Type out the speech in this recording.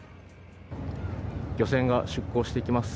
漁船が出港していきます。